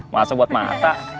masuk buat mata